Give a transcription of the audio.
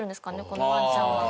このワンちゃんは。